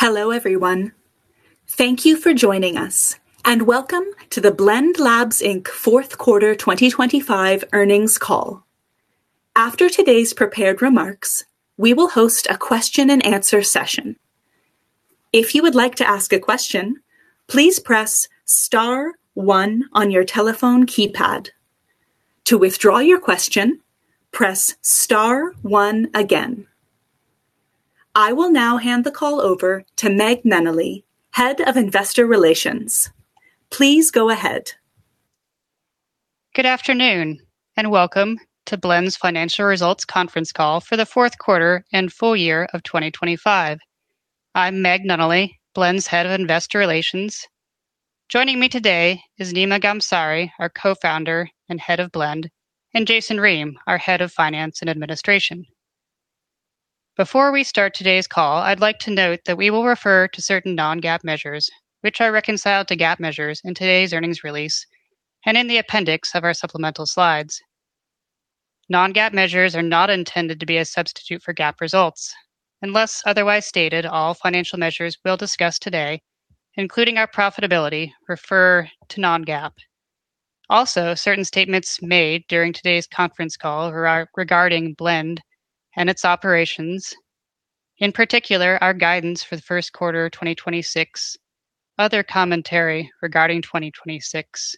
Hello, everyone. Thank you for joining us, and welcome to the Blend Labs, Inc fourth quarter 2025 earnings call. After today's prepared remarks, we will host a question and answer session. If you would like to ask a question, please press star one on your telephone keypad. To withdraw your question, press star one again. I will now hand the call over to Meg Nunnally, Head of Investor Relations. Please go ahead. Good afternoon, and welcome to Blend's Financial Results Conference call for the fourth quarter and full year of 2025. I'm Meg Nunnally, Blend's Head of Investor Relations. Joining me today is Nima Ghamsari, our Co-founder and Head of Blend, and Jason Ream, our Head of Finance and Administration. Before we start today's call, I'd like to note that we will refer to certain non-GAAP measures which are reconciled to GAAP measures in today's earnings release and in the appendix of our supplemental slides. Non-GAAP measures are not intended to be a substitute for GAAP results. Unless otherwise stated, all financial measures we'll discuss today, including our profitability, refer to non-GAAP. Also, certain statements made during today's conference call regarding Blend and its operations, in particular our guidance for the first quarter of 2026, other commentary regarding 2026,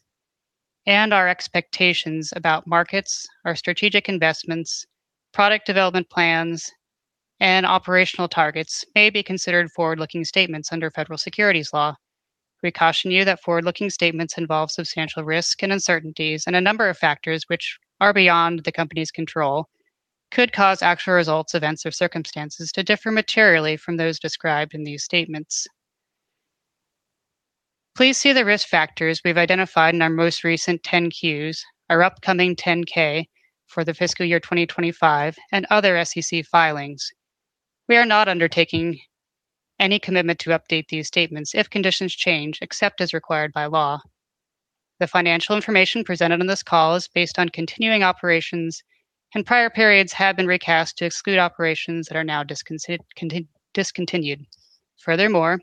and our expectations about markets, our strategic investments, product development plans, and operational targets may be considered forward-looking statements under federal securities law. We caution you that forward-looking statements involve substantial risk and uncertainties and a number of factors which are beyond the company's control could cause actual results, events or circumstances to differ materially from those described in these statements. Please see the risk factors we've identified in our most recent Forms 10-Qs, our upcoming Form 10-K for the fiscal year 2025, and other SEC filings. We are not undertaking any commitment to update these statements if conditions change except as required by law. The financial information presented on this call is based on continuing operations, and prior periods have been recast to exclude operations that are now discontinued. Furthermore,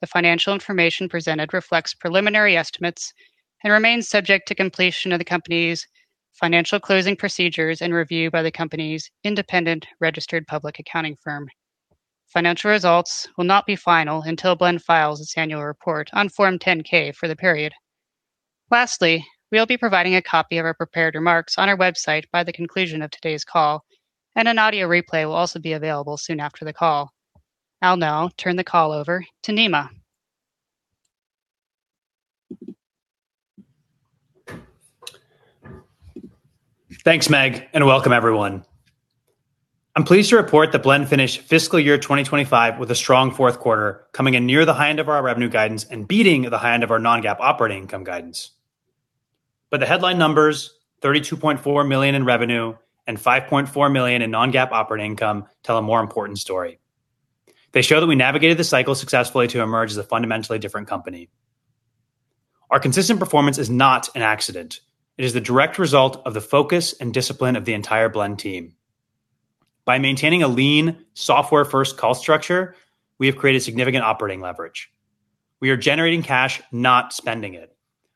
the financial information presented reflects preliminary estimates and remains subject to completion of the company's financial closing procedures and review by the company's independent registered public accounting firm. Financial results will not be final until Blend files its annual report on Form 10-K for the period. Lastly, we'll be providing a copy of our prepared remarks on our website by the conclusion of today's call, and an audio replay will also be available soon after the call. I'll now turn the call over to Nima. Thanks, Meg, and welcome everyone. I'm pleased to report that Blend finished fiscal year 2025 with a strong fourth quarter, coming in near the high end of our revenue guidance and beating the high end of our non-GAAP operating income guidance. The headline numbers, $32.4 million in revenue and $5.4 million in non-GAAP operating income, tell a more important story. They show that we navigated the cycle successfully to emerge as a fundamentally different company. Our consistent performance is not an accident. It is the direct result of the focus and discipline of the entire Blend team. By maintaining a lean software-first cost structure, we have created significant operating leverage. We are generating cash, not spending it.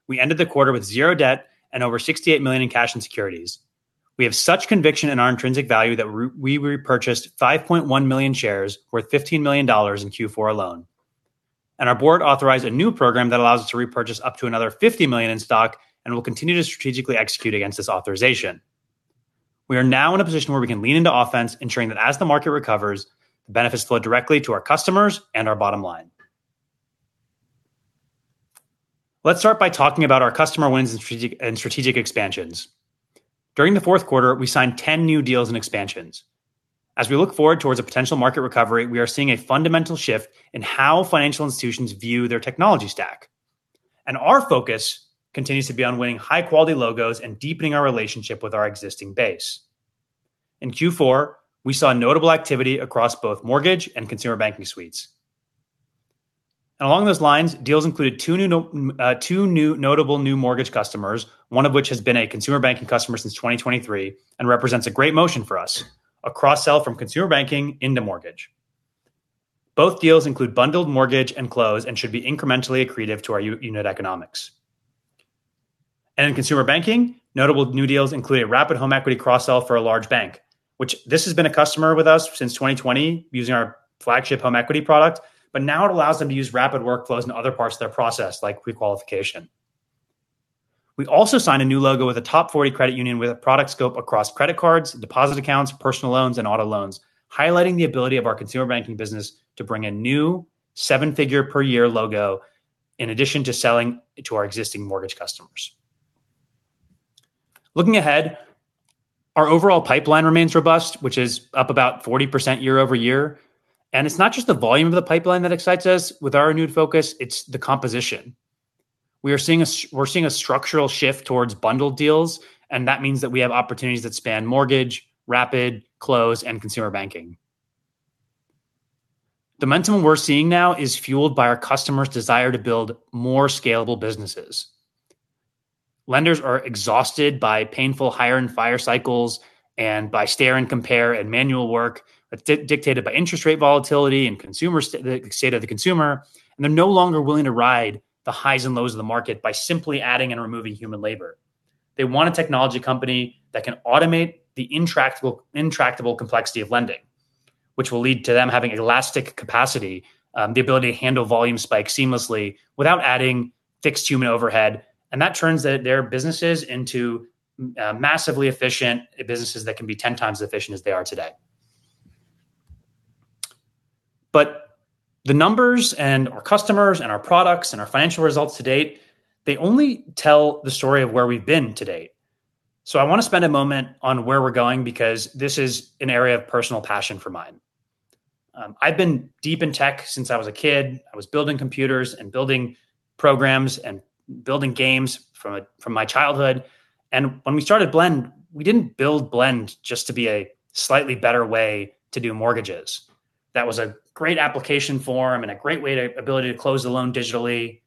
We ended the quarter with zero debt and over $68 million in cash and securities. We have such conviction in our intrinsic value that we repurchased 5.1 million shares worth $15 million in Q4 alone. Our board authorized a new program that allows us to repurchase up to another $50 million in stock and will continue to strategically execute against this authorization. We are now in a position where we can lean into offense, ensuring that as the market recovers, the benefits flow directly to our customers and our bottom line. Let's start by talking about our customer wins and strategic expansions. During the fourth quarter, we signed 10 new deals and expansions. As we look forward toward a potential market recovery, we are seeing a fundamental shift in how financial institutions view their technology stack. Our focus continues to be on winning high-quality logos and deepening our relationship with our existing base. In Q4, we saw notable activity across both mortgage and consumer banking suites. Along those lines, deals included two new notable mortgage customers, one of which has been a consumer banking customer since 2023 and represents a great motion for us, a cross-sell from consumer banking into mortgage. Both deals include bundled mortgage and close and should be incrementally accretive to our unit economics. In consumer banking, notable new deals include a rapid home equity cross-sell for a large bank, which has been a customer with us since 2020 using our flagship home equity product, but now it allows them to use rapid workflows in other parts of their process, like pre-qualification. We also signed a new logo with a top 40 credit union with a product scope across credit cards, deposit accounts, personal loans, and auto loans, highlighting the ability of our consumer banking business to bring a new seven-figure per year logo in addition to selling to our existing mortgage customers. Looking ahead, our overall pipeline remains robust, which is up about 40% year-over-year. It's not just the volume of the pipeline that excites us with our renewed focus, it's the composition. We're seeing a structural shift towards bundled deals, and that means that we have opportunities that span mortgage, rapid, close, and consumer banking. The momentum we're seeing now is fueled by our customers' desire to build more scalable businesses. Lenders are exhausted by painful hire and fire cycles and by stare and compare and manual work that's dictated by interest rate volatility and the state of the consumer, and they're no longer willing to ride the highs and lows of the market by simply adding and removing human labor. They want a technology company that can automate the intractable complexity of lending which will lead to them having elastic capacity, the ability to handle volume spikes seamlessly without adding fixed human overhead, and that turns their businesses into massively efficient businesses that can be ten times as efficient as they are today. The numbers and our customers and our products and our financial results to date, they only tell the story of where we've been to date. I want to spend a moment on where we're going because this is an area of personal passion for mine. I've been deep in tech since I was a kid. I was building computers and building programs and building games from my childhood. When we started Blend, we didn't build Blend just to be a slightly better way to do mortgages. That was a great application form and a great way, the ability to close the loan digitally.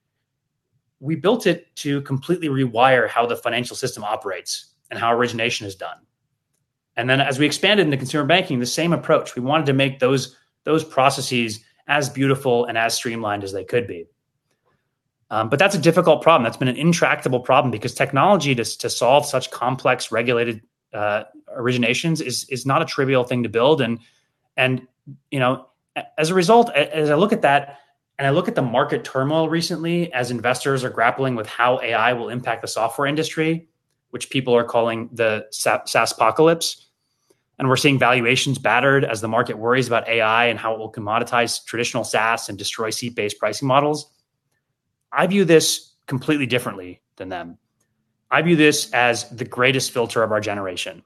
We built it to completely rewire how the financial system operates and how origination is done. Then as we expanded into consumer banking, the same approach, we wanted to make those processes as beautiful and as streamlined as they could be. That's a difficult problem. That's been an intractable problem because technology to solve such complex regulated originations is not a trivial thing to build. As a result, I look at the market turmoil recently as investors are grappling with how AI will impact the software industry, which people are calling the SaaSpocalypse, and we're seeing valuations battered as the market worries about AI and how it will commoditize traditional SaaS and destroy seat-based pricing models. I view this completely differently than them. I view this as the greatest filter of our generation.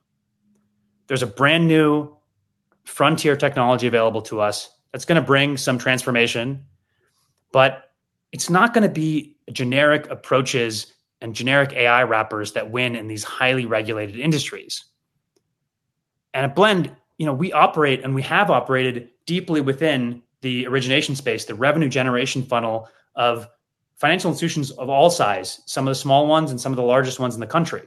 There's a brand new frontier technology available to us that's gonna bring some transformation, but it's not gonna be generic approaches and generic AI wrappers that win in these highly regulated industries. At Blend, you know, we operate and we have operated deeply within the origination space, the revenue generation funnel of financial institutions of all size, some of the small ones and some of the largest ones in the country.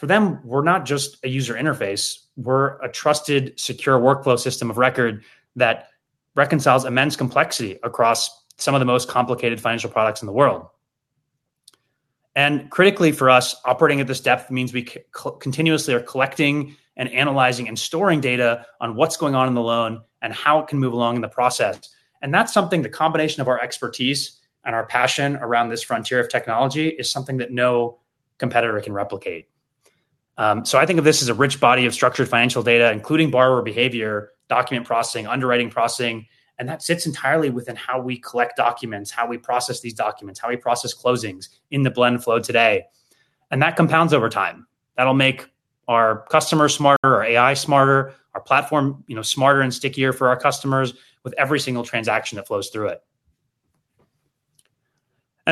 For them, we're not just a user interface. We're a trusted, secure workflow system of record that reconciles immense complexity across some of the most complicated financial products in the world. Critically for us, operating at this depth means we continuously are collecting and analyzing and storing data on what's going on in the loan and how it can move along in the process. That's something, the combination of our expertise and our passion around this frontier of technology is something that no competitor can replicate. I think of this as a rich body of structured financial data, including borrower behavior, document processing, underwriting processing, and that sits entirely within how we collect documents, how we process these documents, how we process closings in the Blend flow today, and that compounds over time. That'll make our customers smarter, our AI smarter, our platform, you know, smarter and stickier for our customers with every single transaction that flows through it.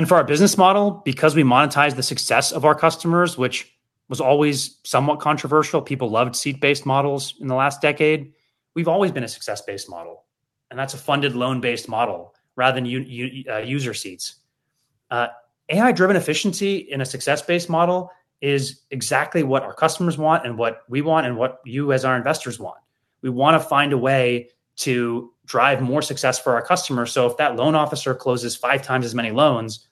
For our business model, because we monetize the success of our customers, which was always somewhat controversial, people loved seat-based models in the last decade. We've always been a success-based model, and that's a funded loan-based model rather than user seats. AI-driven efficiency in a success-based model is exactly what our customers want and what we want and what you as our investors want. We wanna find a way to drive more success for our customers, so if that loan officer closes five times as many loans,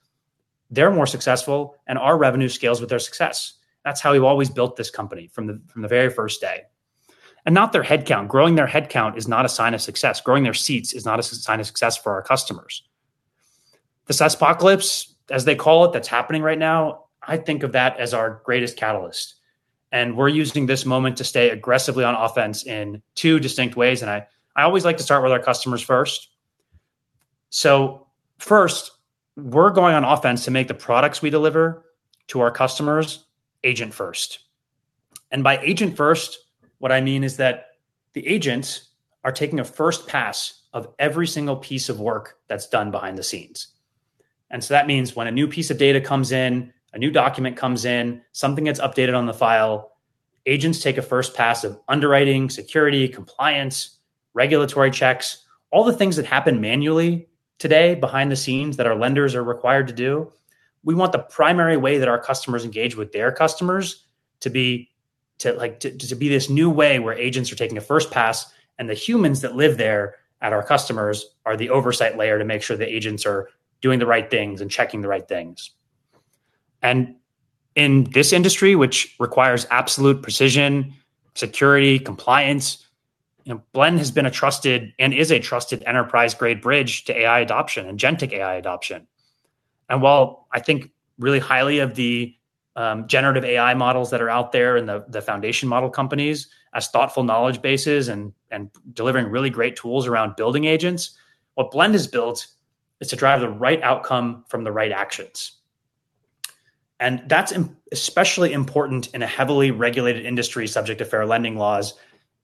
they're more successful and our revenue scales with their success. That's how we've always built this company from the very first day. Not their headcount. Growing their headcount is not a sign of success. Growing their seats is not a sign of success for our customers. The SaaSpocalypse, as they call it, that's happening right now. I think of that as our greatest catalyst, and we're using this moment to stay aggressively on offense in two distinct ways, and I always like to start with our customers first. First, we're going on offense to make the products we deliver to our customers agent first. By agent first, what I mean is that the agents are taking a first pass of every single piece of work that's done behind the scenes. That means when a new piece of data comes in, a new document comes in, something gets updated on the file, agents take a first pass of underwriting, security, compliance, regulatory checks, all the things that happen manually today behind the scenes that our lenders are required to do. We want the primary way that our customers engage with their customers to be like this new way where agents are taking a first pass and the humans that live there at our customers are the oversight layer to make sure the agents are doing the right things and checking the right things. In this industry, which requires absolute precision, security, compliance, you know, Blend has been a trusted and is a trusted enterprise-grade bridge to AI adoption and agentic AI adoption. While I think really highly of the generative AI models that are out there and the foundation model companies as thoughtful knowledge bases and delivering really great tools around building agents, what Blend has built is to drive the right outcome from the right actions. That's especially important in a heavily regulated industry subject to fair lending laws,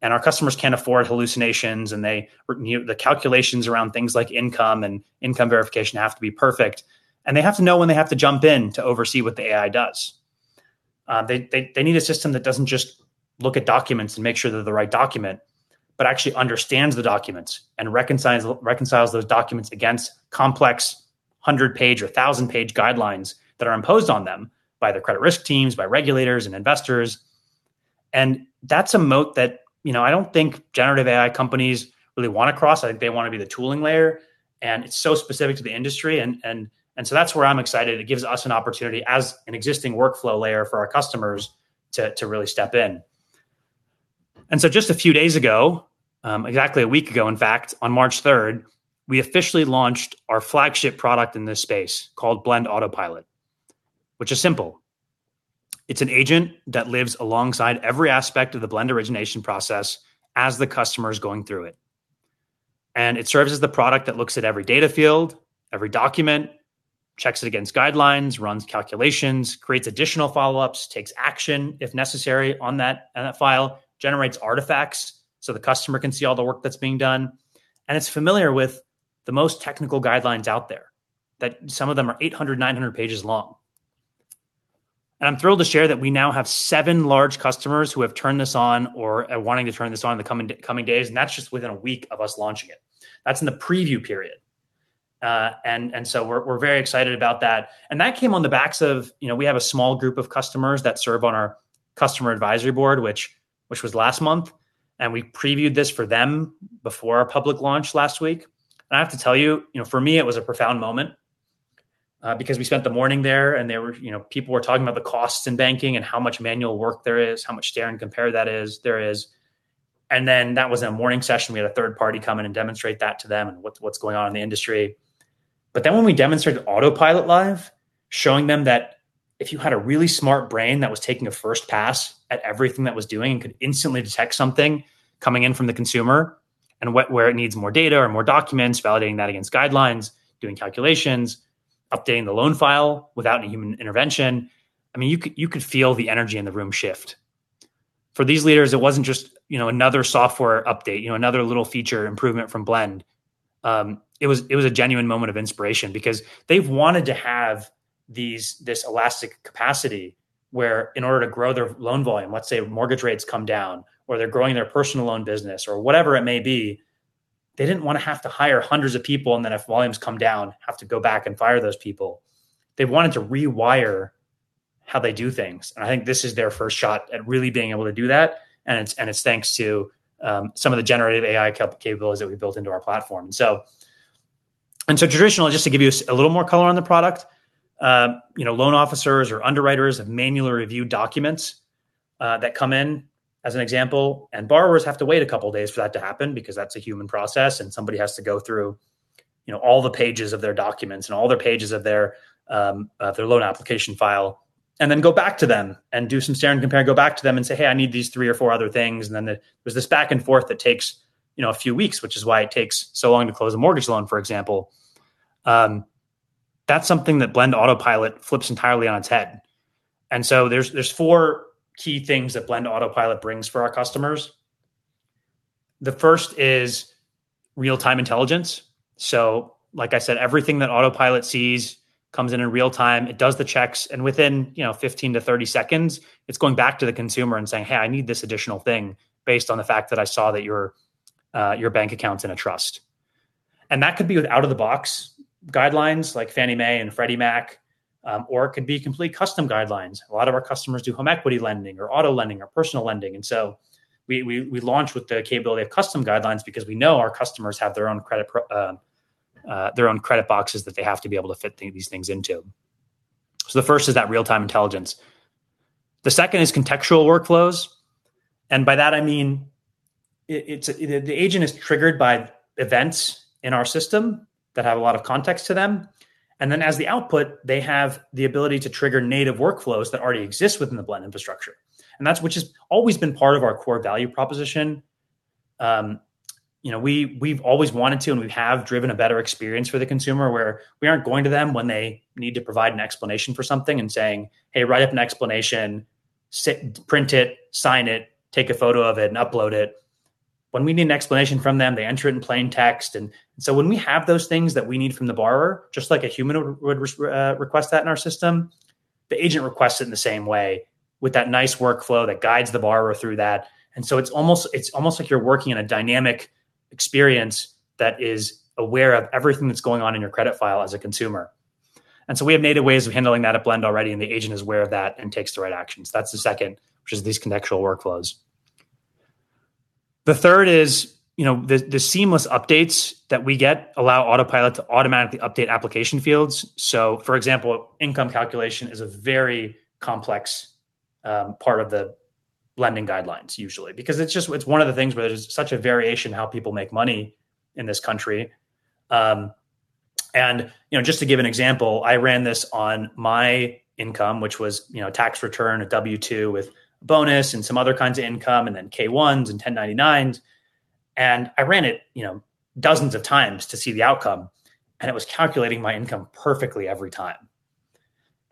and our customers can't afford hallucinations. You know, the calculations around things like income and income verification have to be perfect, and they have to know when they have to jump in to oversee what the AI does. They need a system that doesn't just look at documents and make sure they're the right document, but actually understands the documents and reconciles those documents against complex 100-page or 1,000-page guidelines that are imposed on them by their credit risk teams, by regulators and investors. That's a moat that, you know, I don't think generative AI companies really want to cross. I think they want to be the tooling layer. It's so specific to the industry. That's where I'm excited. It gives us an opportunity as an existing workflow layer for our customers to really step in. Just a few days ago, exactly a week ago, in fact, on March 3rd, we officially launched our flagship product in this space called Blend Autopilot, which is simple. It's an agent that lives alongside every aspect of the Blend origination process as the customer is going through it. It serves as the product that looks at every data field, every document, checks it against guidelines, runs calculations, creates additional follow-ups, takes action if necessary on that file, generates artifacts so the customer can see all the work that's being done. It's familiar with the most technical guidelines out there that some of them are 800, 900 pages long. I'm thrilled to share that we now have seven large customers who have turned this on or are wanting to turn this on in the coming days. That's just within a week of us launching it. That's in the preview period. We're very excited about that. That came on the backs of, you know, we have a small group of customers that serve on our customer advisory board, which was last month. We previewed this for them before our public launch last week. I have to tell you know, for me, it was a profound moment because we spent the morning there and there were, you know, people were talking about the costs in banking and how much manual work there is, how much stare and compare that is. Then that was a morning session. We had a third party come in and demonstrate that to them and what's going on in the industry. When we demonstrated Autopilot live, showing them that if you had a really smart brain that was taking a first pass at everything that was doing and could instantly detect something coming in from the consumer and where it needs more data or more documents, validating that against guidelines, doing calculations, updating the loan file without any human intervention. I mean, you could feel the energy in the room shift. For these leaders, it wasn't just, you know, another software update, you know, another little feature improvement from Blend. It was a genuine moment of inspiration because they've wanted to have this elastic capacity where in order to grow their loan volume, let's say mortgage rates come down or they're growing their personal loan business or whatever it may be, they didn't want to have to hire hundreds of people and then if volumes come down, have to go back and fire those people. They wanted to rewire how they do things. I think this is their first shot at really being able to do that. It's thanks to some of the generative AI capabilities that we built into our platform. Traditionally, just to give you a little more color on the product, you know, loan officers or underwriters have manually reviewed documents that come in as an example, and borrowers have to wait a couple of days for that to happen because that's a human process and somebody has to go through, you know, all the pages of their documents and all their pages of their loan application file and then go back to them and do some stare and compare and go back to them and say, hey, I need these three or four other things. There's this back and forth that takes, you know, a few weeks, which is why it takes so long to close a mortgage loan, for example. That's something that Blend Autopilot flips entirely on its head. There's four key things that Blend Autopilot brings for our customers. The first is real-time intelligence. Like I said, everything that Autopilot sees comes in in real time. It does the checks and within, you know, 15-30 seconds, it's going back to the consumer and saying, hey, I need this additional thing based on the fact that I saw that your bank account's in a trust. That could be with out-of-the-box guidelines like Fannie Mae and Freddie Mac, or it could be complete custom guidelines. A lot of our customers do home equity lending or auto lending or personal lending. We launch with the capability of custom guidelines because we know our customers have their own credit boxes that they have to be able to fit these things into. The first is that real-time intelligence. The second is contextual workflows. By that, I mean the agent is triggered by events in our system that have a lot of context to them. Then as the output, they have the ability to trigger native workflows that already exist within the Blend infrastructure. That's what has always been part of our core value proposition. You know, we've always wanted to and we have driven a better experience for the consumer where we aren't going to them when they need to provide an explanation for something and saying, hey, write up an explanation, print it, sign it, take a photo of it and upload it. When we need an explanation from them, they enter it in plain text. When we have those things that we need from the borrower, just like a human would request that in our system, the agent requests it in the same way with that nice workflow that guides the borrower through that. It's almost like you're working in a dynamic experience that is aware of everything that's going on in your credit file as a consumer. We have native ways of handling that at Blend already and the agent is aware of that and takes the right actions. That's the second, which is these contextual workflows. The third is, you know, the seamless updates that we get allow Autopilot to automatically update application fields. For example, income calculation is a very complex part of the lending guidelines usually because it's just one of the things where there's such a variation how people make money in this country. You know, just to give an example, I ran this on my income, which was, you know, tax return, a W-2 with bonus and some other kinds of income and then K-1s and 1099s. I ran it, you know, dozens of times to see the outcome and it was calculating my income perfectly every time.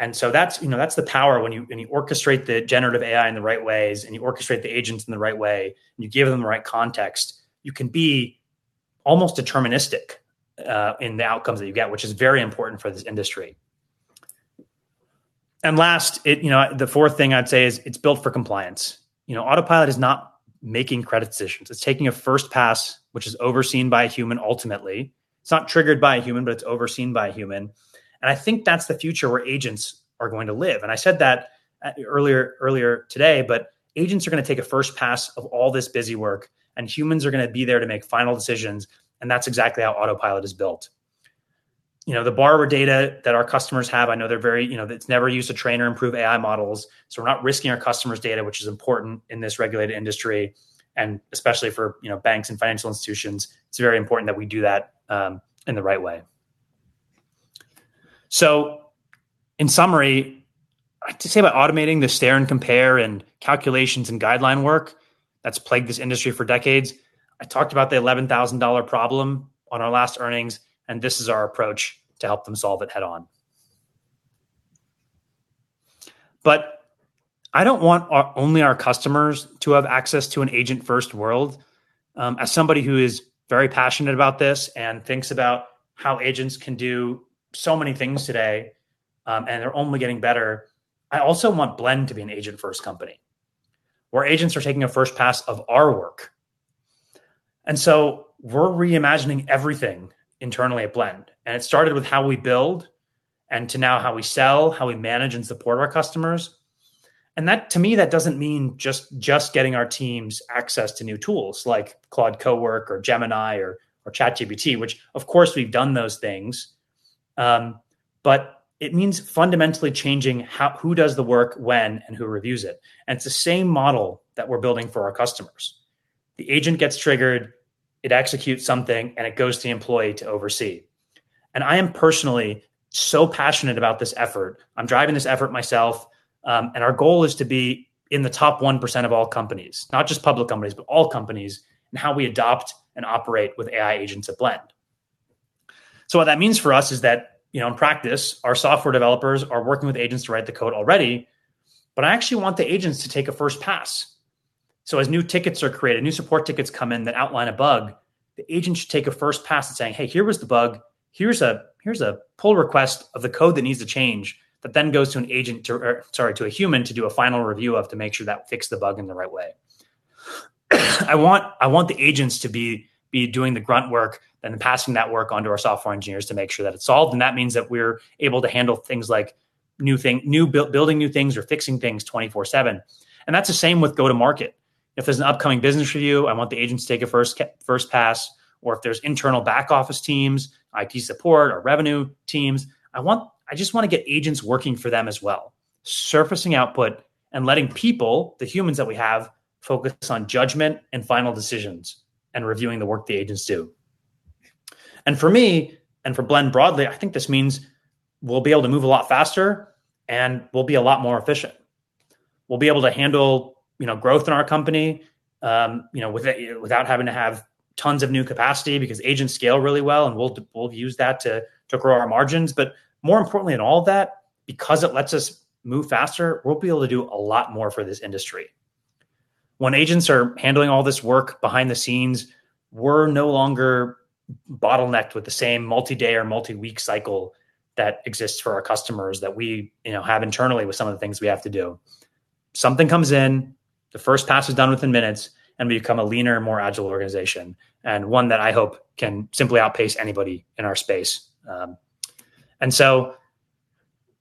That's, you know, that's the power when you orchestrate the generative AI in the right ways and you orchestrate the agents in the right way and you give them the right context, you can be almost deterministic in the outcomes that you get, which is very important for this industry. Last, you know, the fourth thing I'd say is it's built for compliance. You know, Autopilot is not making credit decisions. It's taking a first pass, which is overseen by a human ultimately. It's not triggered by a human, but it's overseen by a human. I think that's the future where agents are going to live. I said that earlier today, but agents are gonna take a first pass of all this busy work, and humans are gonna be there to make final decisions, and that's exactly how Autopilot is built. You know, the borrower data that our customers have, I know they're very... You know, that's never used to train or improve AI models, so we're not risking our customers' data, which is important in this regulated industry, and especially for, you know, banks and financial institutions, it's very important that we do that in the right way. In summary, to say about automating the stare and compare and calculations and guideline work that's plagued this industry for decades, I talked about the $11,000 problem on our last earnings, and this is our approach to help them solve it head-on. I don't want only our customers to have access to an agent-first world. As somebody who is very passionate about this and thinks about how agents can do so many things today, and they're only getting better, I also want Blend to be an agent-first company, where agents are taking a first pass of our work. We're reimagining everything internally at Blend, and it started with how we build and to now how we sell, how we manage and support our customers. That to me doesn't mean just getting our teams access to new tools like Claude, Cowork, or Gemini, or ChatGPT, which of course we've done those things, but it means fundamentally changing how who does the work when and who reviews it. It's the same model that we're building for our customers. The agent gets triggered, it executes something, and it goes to the employee to oversee. I am personally so passionate about this effort. I'm driving this effort myself, and our goal is to be in the top 1% of all companies, not just public companies, but all companies in how we adopt and operate with AI agents at Blend. What that means for us is that, you know, in practice, our software developers are working with agents to write the code already, but I actually want the agents to take a first pass. As new tickets are created, new support tickets come in that outline a bug, the agent should take a first pass at saying, "Hey, here was the bug. Here's a pull request of the code that needs to change," that then goes to an agent to... Sorry, to a human to do a final review of to make sure that fixed the bug in the right way. I want the agents to be doing the grunt work, then passing that work onto our software engineers to make sure that it's solved, and that means that we're able to handle things like new building new things or fixing things 24/7. That's the same with go-to-market. If there's an upcoming business review, I want the agents to take a first pass, or if there's internal back-office teams, IT support or revenue teams, I just wanna get agents working for them as well, surfacing output and letting people, the humans that we have, focus on judgment and final decisions and reviewing the work the agents do. For me, and for Blend broadly, I think this means we'll be able to move a lot faster and we'll be a lot more efficient. We'll be able to handle, you know, growth in our company, you know, without having to have tons of new capacity because agents scale really well and we'll use that to grow our margins. More importantly in all of that, because it lets us move faster, we'll be able to do a lot more for this industry. When agents are handling all this work behind the scenes, we're no longer bottlenecked with the same multi-day or multi-week cycle that exists for our customers that we, you know, have internally with some of the things we have to do. Something comes in, the first pass is done within minutes, and we become a leaner and more agile organization, and one that I hope can simply outpace anybody in our space.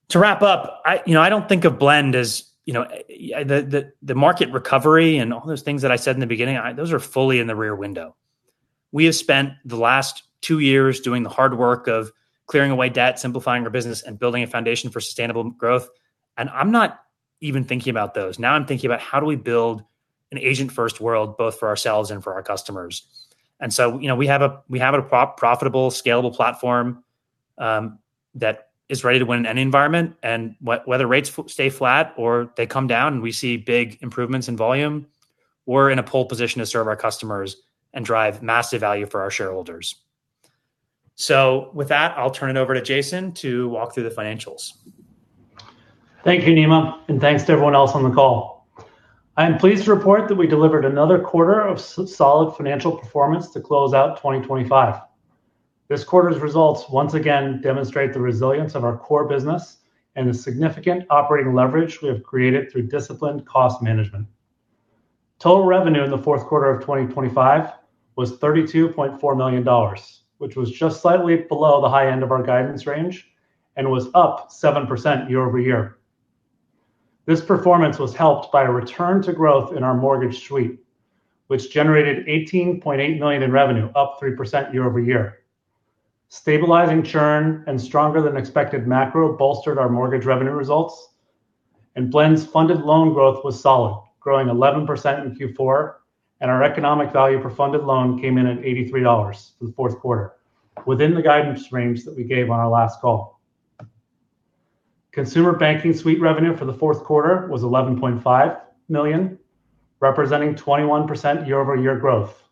To wrap up, you know, I don't think of Blend as, you know, the market recovery and all those things that I said in the beginning. Those are fully in the rearview mirror. We have spent the last two years doing the hard work of clearing away debt, simplifying our business, and building a foundation for sustainable growth, and I'm not even thinking about those. Now I'm thinking about how do we build an agent-first world, both for ourselves and for our customers. You know, we have a profitable, scalable platform that is ready to win in any environment. Whether rates stay flat or they come down and we see big improvements in volume, we're in a pole position to serve our customers and drive massive value for our shareholders. With that, I'll turn it over to Jason to walk through the financials. Thank you, Nima, and thanks to everyone else on the call. I am pleased to report that we delivered another quarter of solid financial performance to close out 2025. This quarter's results once again demonstrate the resilience of our core business and the significant operating leverage we have created through disciplined cost management. Total revenue in the fourth quarter of 2025 was $32.4 million, which was just slightly below the high end of our guidance range and was up 7% year-over-year. This performance was helped by a return to growth in our Mortgage Suite, which generated $18.8 million in revenue, up 3% year-over-year. Stabilizing churn and stronger than expected macro bolstered our mortgage revenue results, and Blend's funded loan growth was solid, growing 11% in Q4, and our Economic Value per Funded Loan came in at $83 for the fourth quarter, within the guidance range that we gave on our last call. Consumer Banking Suite revenue for the fourth quarter was $11.5 million, representing 21% year-over-year growth.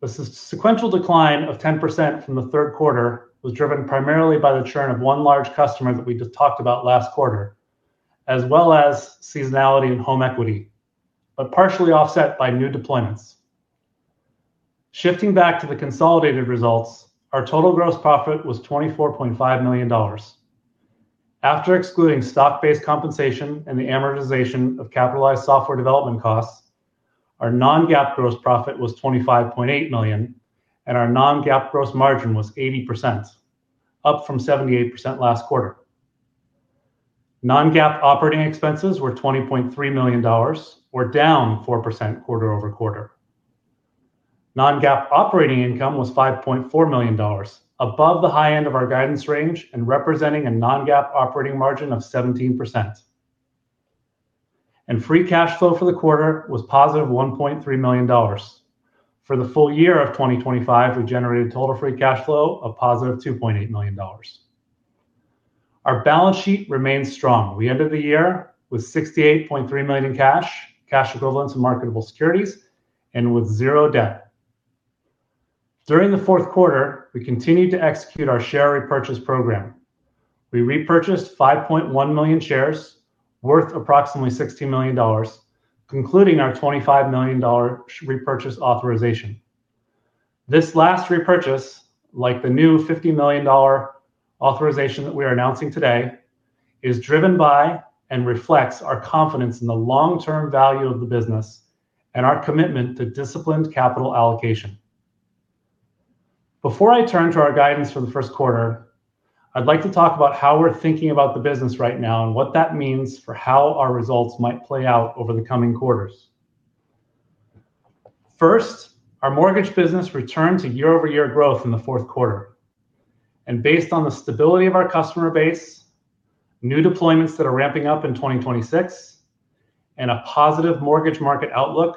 The sequential decline of 10% from the third quarter was driven primarily by the churn of one large customer that we just talked about last quarter, as well as seasonality in home equity, but partially offset by new deployments. Shifting back to the consolidated results, our total gross profit was $24.5 million. After excluding stock-based compensation and the amortization of capitalized software development costs, our non-GAAP gross profit was $25.8 million, and our non-GAAP gross margin was 80%, up from 78% last quarter. Non-GAAP operating expenses were $20.3 million, or down 4% quarter-over-quarter. Non-GAAP operating income was $5.4 million, above the high end of our guidance range and representing a non-GAAP operating margin of 17%. Free cash flow for the quarter was positive $1.3 million. For the full year of 2025, we generated total free cash flow of positive $2.8 million. Our balance sheet remains strong. We ended the year with $68.3 million in cash equivalents, and marketable securities, and with zero debt. During the fourth quarter, we continued to execute our share repurchase program. We repurchased 5.1 million shares worth approximately $16 million, concluding our $25 million repurchase authorization. This last repurchase, like the new $50 million authorization that we are announcing today, is driven by and reflects our confidence in the long-term value of the business and our commitment to disciplined capital allocation. Before I turn to our guidance for the first quarter, I'd like to talk about how we're thinking about the business right now and what that means for how our results might play out over the coming quarters. First, our mortgage business returned to year-over-year growth in the fourth quarter. Based on the stability of our customer base, new deployments that are ramping up in 2026, and a positive mortgage market outlook,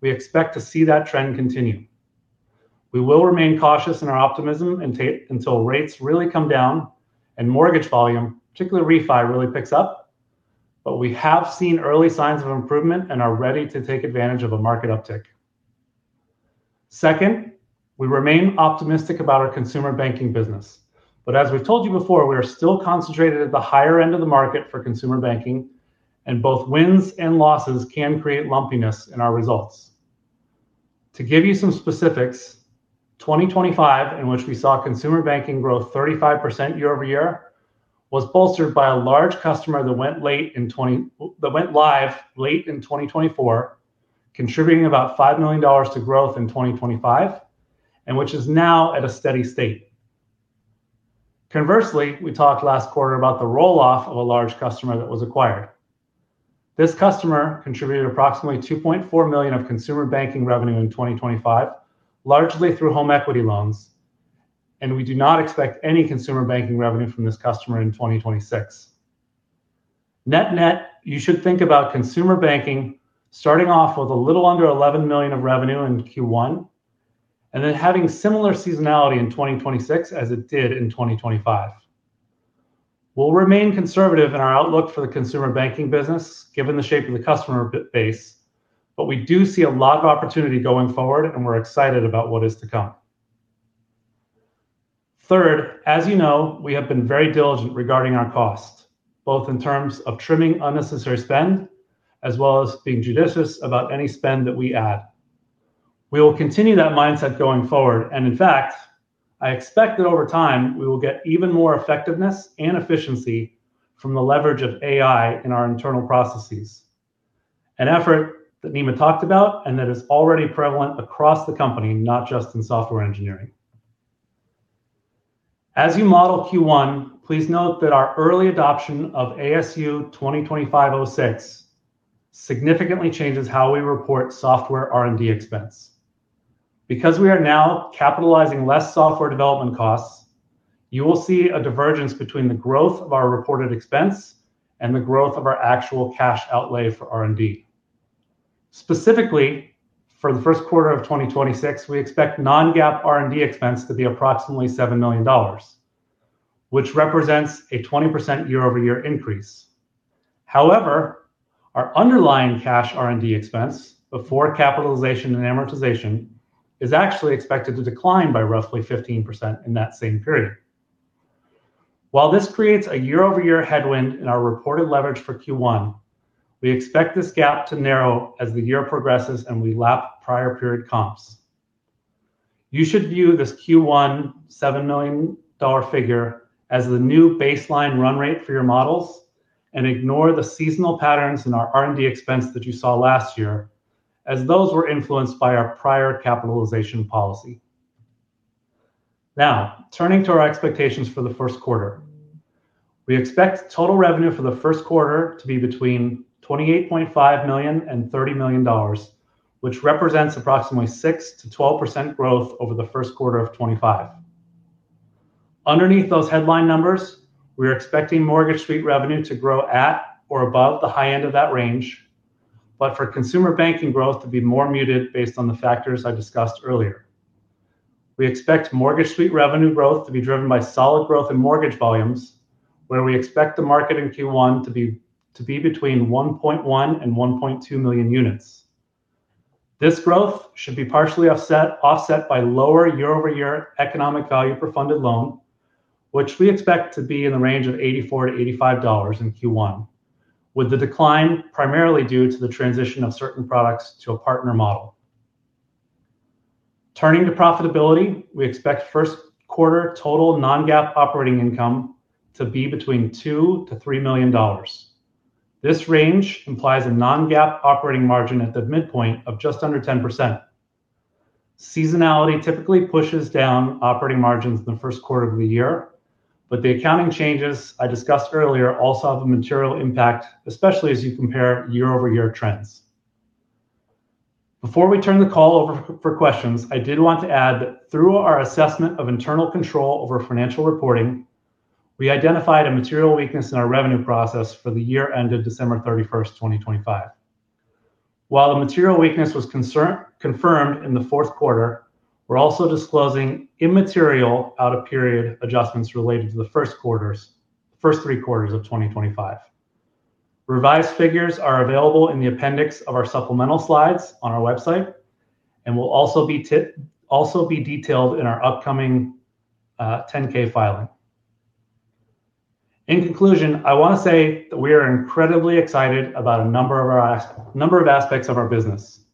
we expect to see that trend continue. We will remain cautious in our optimism until rates really come down and mortgage volume, particularly refi, really picks up. We have seen early signs of improvement and are ready to take advantage of a market uptick. Second, we remain optimistic about our consumer banking business. As we've told you before, we are still concentrated at the higher end of the market for consumer banking, and both wins and losses can create lumpiness in our results. To give you some specifics, 2025, in which we saw consumer banking grow 35% year-over-year, was bolstered by a large customer that went live late in 2024, contributing about $5 million to growth in 2025, and which is now at a steady state. Conversely, we talked last quarter about the roll-off of a large customer that was acquired. This customer contributed approximately $2.4 million of consumer banking revenue in 2025, largely through home equity loans, and we do not expect any consumer banking revenue from this customer in 2026. Net net, you should think about consumer banking starting off with a little under $11 million of revenue in Q1, and then having similar seasonality in 2026 as it did in 2025. We'll remain conservative in our outlook for the consumer banking business, given the shape of the customer base, but we do see a lot of opportunity going forward, and we're excited about what is to come. Third, as you know, we have been very diligent regarding our cost, both in terms of trimming unnecessary spend as well as being judicious about any spend that we add. We will continue that mindset going forward, and in fact, I expect that over time, we will get even more effectiveness and efficiency from the leverage of AI in our internal processes, an effort that Nima talked about and that is already prevalent across the company, not just in software engineering. As you model Q1, please note that our early adoption of ASU 2025-06 significantly changes how we report software R&D expense. Because we are now capitalizing less software development costs, you will see a divergence between the growth of our reported expense and the growth of our actual cash outlay for R&D. Specifically, for the first quarter of 2026, we expect non-GAAP R&D expense to be approximately $7 million, which represents a 20% year-over-year increase. However, our underlying cash R&D expense before capitalization and amortization is actually expected to decline by roughly 15% in that same period. While this creates a year-over-year headwind in our reported leverage for Q1, we expect this gap to narrow as the year progresses and we lap prior period comps. You should view this Q1 $7 million figure as the new baseline run rate for your models and ignore the seasonal patterns in our R&D expense that you saw last year, as those were influenced by our prior capitalization policy. Now, turning to our expectations for the first quarter. We expect total revenue for the first quarter to be between $28.5 million and $30 million, which represents approximately 6%-12% growth over the first quarter of 2025. Underneath those headline numbers, we are expecting Mortgage Suite revenue to grow at or above the high end of that range, but for consumer banking growth to be more muted based on the factors I discussed earlier. We expect Mortgage Suite revenue growth to be driven by solid growth in mortgage volumes, where we expect the market in Q1 to be between 1.1 and 1.2 million units. This growth should be partially offset by lower year-over-year Economic Value per Funded Loan, which we expect to be in the range of $84-$85 in Q1, with the decline primarily due to the transition of certain products to a partner model. Turning to profitability, we expect first quarter total non-GAAP operating income to be between $2 million-$3 million. This range implies a non-GAAP operating margin at the midpoint of just under 10%. Seasonality typically pushes down operating margins in the first quarter of the year, but the accounting changes I discussed earlier also have a material impact, especially as you compare year-over-year trends. Before we turn the call over for questions, I did want to add that through our assessment of internal control over financial reporting, we identified a material weakness in our revenue process for the year ended December 31, 2025. While the material weakness was confirmed in the fourth quarter, we're also disclosing immaterial out of period adjustments related to the first three quarters of 2025. Revised figures are available in the appendix of our supplemental slides on our website and will also be detailed in our upcoming Form 10-K filing. In conclusion, I want to say that we are incredibly excited about a number of aspects of our business.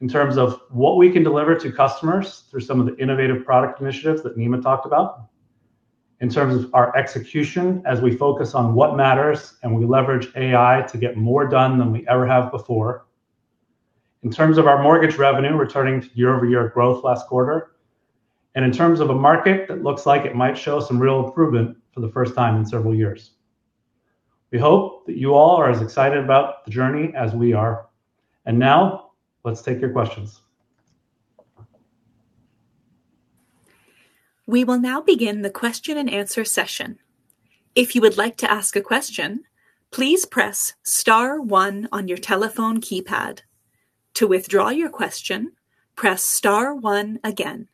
In terms of what we can deliver to customers through some of the innovative product initiatives that Nima talked about. In terms of our execution as we focus on what matters and we leverage AI to get more done than we ever have before. In terms of our mortgage revenue returning to year-over-year growth last quarter. In terms of a market that looks like it might show some real improvement for the first time in several years. We hope that you all are as excited about the journey as we are. Now let's take your questions. We will now begin the question and answer session. If you would like to ask a question, please press star one on your telephone keypad. To withdraw your question, press star one again.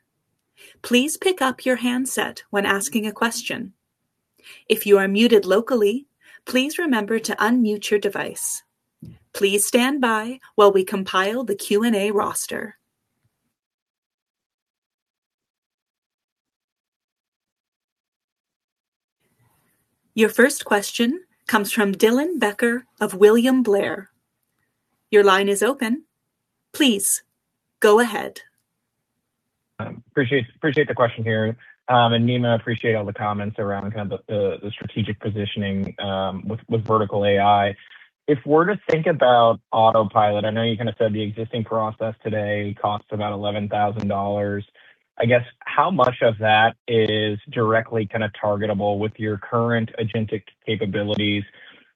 Please pick up your handset when asking a question. If you are muted locally, please remember to unmute your device. Please stand by while we compile the Q&A roster. Your first question comes from Dylan Becker of William Blair. Your line is open. Please go ahead. Appreciate the question here. Nima, appreciate all the comments around kind of the strategic positioning with vertical AI. If we're to think about Autopilot, I know you kind of said the existing process today costs about $11,000. I guess how much of that is directly kind of targetable with your current agentic capabilities?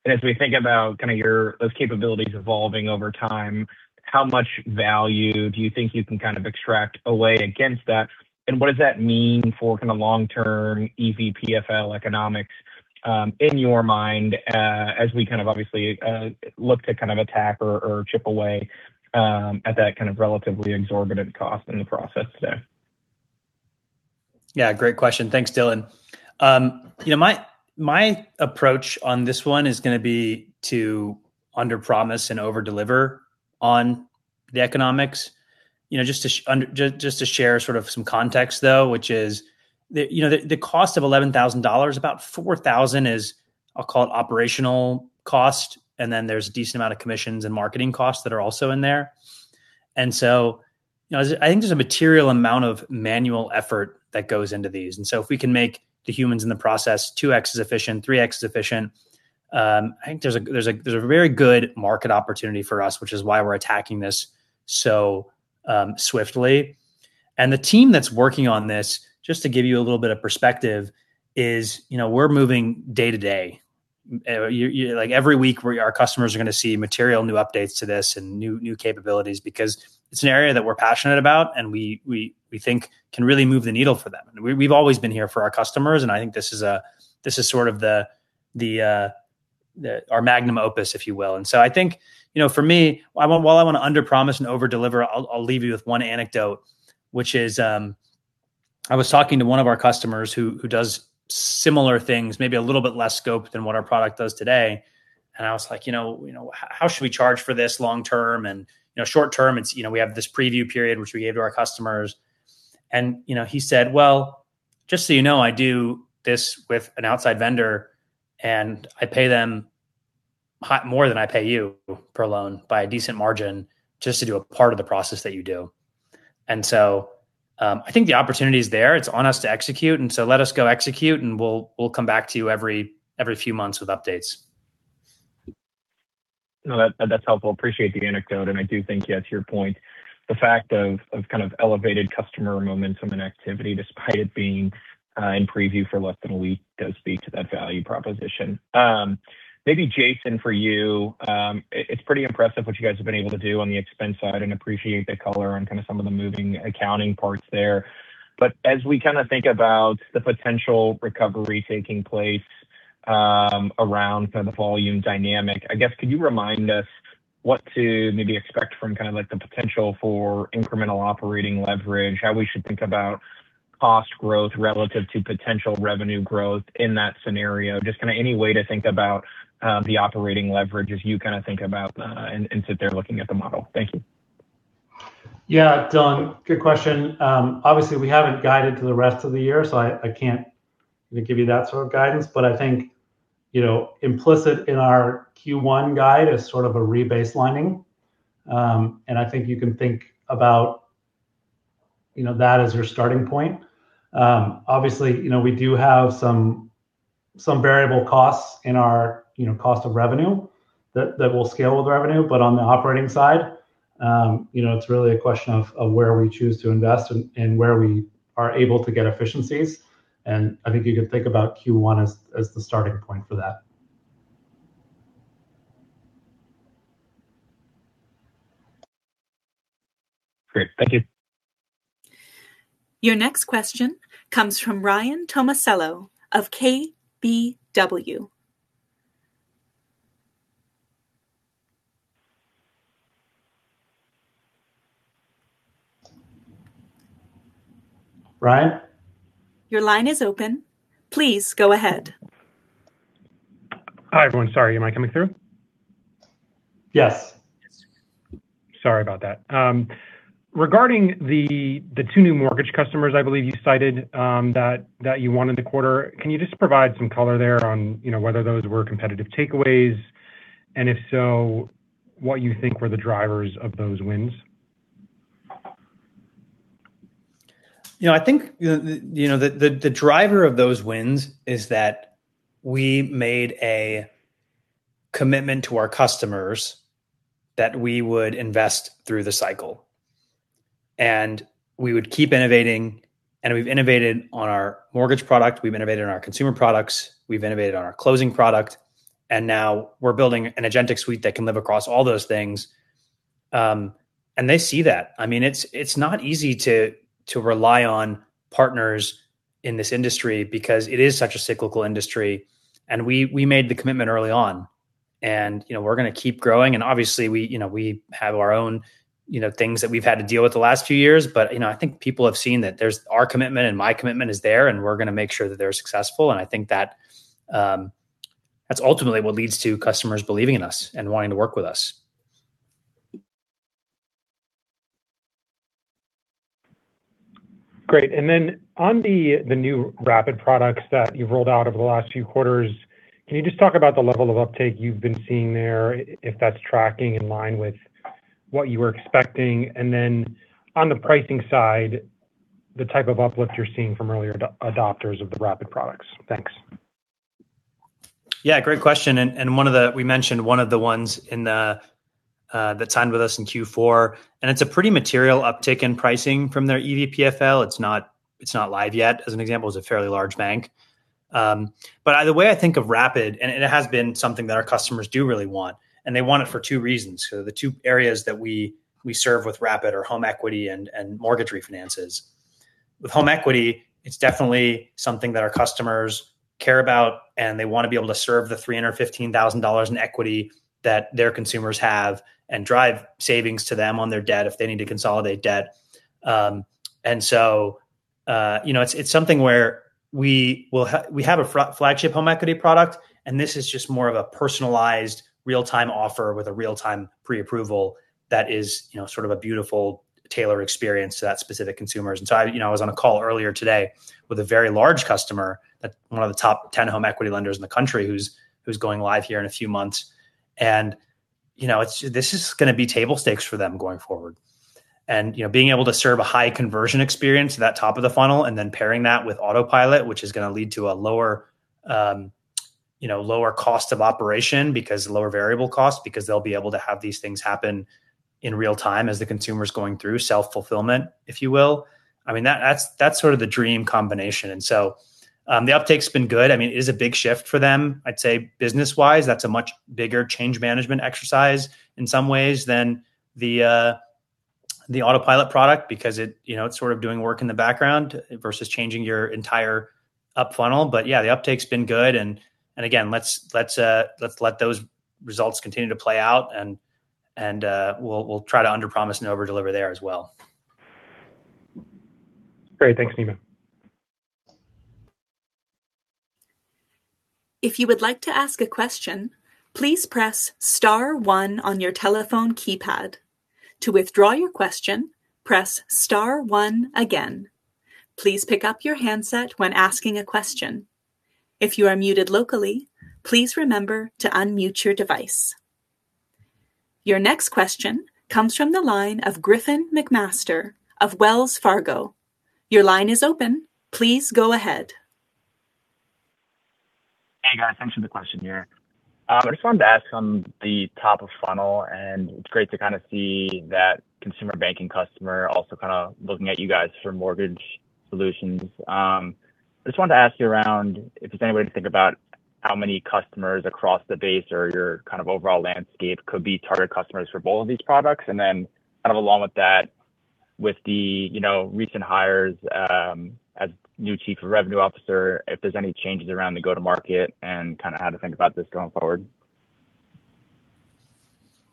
And as we think about kind of your those capabilities evolving over time, how much value do you think you can kind of extract away against that? And what does that mean for kind of long-term EVPFL economics in your mind as we kind of obviously look to kind of attack or chip away at that kind of relatively exorbitant cost in the process there? Yeah, great question. Thanks, Dylan. You know, my approach on this one is gonna be to underpromise and overdeliver on the economics. You know, just to share sort of some context though, which is the cost of $11,000, about $4,000 is, I'll call it operational cost, and then there's a decent amount of commissions and marketing costs that are also in there. You know, I think there's a material amount of manual effort that goes into these. If we can make the humans in the process 2x as efficient, 3x as efficient, I think there's a very good market opportunity for us, which is why we're attacking this so swiftly. The team that's working on this, just to give you a little bit of perspective, is we're moving day to day. Like every week our customers are gonna see material new updates to this and new capabilities because it's an area that we're passionate about and we think can really move the needle for them. We've always been here for our customers, and I think this is sort of the our magnum opus, if you will. I think, for me, while I want to underpromise and overdeliver, I'll leave you with one anecdote, which is I was talking to one of our customers who does similar things, maybe a little bit less scope than what our product does today. I was like, you know, "How should we charge for this long term? And, you know, short term, it's, you know, we have this preview period which we gave to our customers." you know, he said, "Well, just so you know, I do this with an outside vendor, and I pay them more than I pay you per loan by a decent margin just to do a part of the process that you do." I think the opportunity is there. It's on us to execute, and so let us go execute, and we'll come back to you every few months with updates. No, that's helpful. Appreciate the anecdote, and I do think, yeah, to your point, the fact of kind of elevated customer momentum and activity despite it being in preview for less than a week does speak to that value proposition. Maybe Jason, for you, it's pretty impressive what you guys have been able to do on the expense side and appreciate the color on kind of some of the moving accounting parts there. As we kind of think about the potential recovery taking place around kind of volume dynamic. I guess could you remind us what to maybe expect from kind of like the potential for incremental operating leverage? How we should think about Cost growth relative to potential revenue growth in that scenario? Just kinda any way to think about the operating leverage as you kind of think about and sit there looking at the model. Thank you. Yeah, Don, good question. Obviously we haven't guided to the rest of the year, so I can't give you that sort of guidance. I think, you know, implicit in our Q1 guide is sort of a rebaselining. I think you can think about, you know, that as your starting point. Obviously, you know, we do have some variable costs in our, you know, cost of revenue that will scale with revenue. On the operating side, you know, it's really a question of where we choose to invest and where we are able to get efficiencies. I think you can think about Q1 as the starting point for that. Great. Thank you. Your next question comes from Ryan Tomasello of KBW. Ryan? Your line is open. Please go ahead. Hi, everyone. Sorry, am I coming through? Yes. Sorry about that. Regarding the two new mortgage customers I believe you cited, that you won in the quarter, can you just provide some color there on, you know, whether those were competitive takeaways, and if so, what you think were the drivers of those wins? You know, I think, you know, the driver of those wins is that we made a commitment to our customers that we would invest through the cycle. We would keep innovating, and we've innovated on our mortgage product, we've innovated on our consumer products, we've innovated on our closing product, and now we're building an agentic suite that can live across all those things. They see that. I mean, it's not easy to rely on partners in this industry because it is such a cyclical industry, and we made the commitment early on. You know, we're gonna keep growing. Obviously we, you know, we have our own, you know, things that we've had to deal with the last few years, but, you know, I think people have seen that there's our commitment and my commitment is there, and we're gonna make sure that they're successful. I think that that's ultimately what leads to customers believing in us and wanting to work with us. Great. On the new Rapid products that you've rolled out over the last few quarters, can you just talk about the level of uptake you've been seeing there, if that's tracking in line with what you were expecting? On the pricing side, the type of uplift you're seeing from earlier adopters of the Rapid products. Thanks. Yeah, great question. We mentioned one of the ones in the that signed with us in Q4, and it's a pretty material uptick in pricing from their EVPFL. It's not live yet. As an example, it's a fairly large bank. The way I think of Rapid, and it has been something that our customers do really want, and they want it for two reasons. The two areas that we serve with Rapid are home equity and mortgage refinances. With home equity, it's definitely something that our customers care about, and they want to be able to serve the $315,000 in equity that their consumers have and drive savings to them on their debt if they need to consolidate debt. You know, it's something where we have a flagship home equity product, and this is just more of a personalized real-time offer with a real-time preapproval that is, you know, sort of a beautiful tailored experience to that specific consumer. You know, I was on a call earlier today with a very large customer, one of the top ten home equity lenders in the country who's going live here in a few months, and, you know, this is gonna be table stakes for them going forward. You know, being able to serve a high conversion experience at that top of the funnel and then pairing that with Autopilot, which is gonna lead to a lower cost of operation because lower variable costs because they'll be able to have these things happen in real-time as the consumer's going through self-fulfillment, if you will. I mean, that's sort of the dream combination. The uptake's been good. I mean, it is a big shift for them. I'd say business-wise, that's a much bigger change management exercise in some ways than the Autopilot product because it, you know, it's sort of doing work in the background versus changing your entire up funnel. But yeah, the uptake's been good. Again, let's let those results continue to play out and we'll try to underpromise and overdeliver there as well. Great. Thanks, Nima. If you would like to ask a question, please press star one on your telephone keypad. To withdraw your question, press star one again. Please pick up your handset when asking a question. If you are muted locally, please remember to unmute your device. Your next question comes from the line of Griffin MacMaster of Wells Fargo. Your line is open. Please go ahead. Hey, guys. Thanks for the question here. I just wanted to ask on the top of funnel, and it's great to kind of see that consumer banking customer also kind of looking at you guys for mortgage solutions. I just wanted to ask you about if there's any way to think about how many customers across the base or your kind of overall landscape could be target customers for both of these products. Then kind of along with that, with the, you know, recent hires, as new Chief Revenue Officer, if there's any changes around the go-to-market and kind of how to think about this going forward.